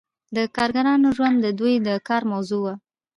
د کارګرانو ژوند د دوی د کار موضوع وه.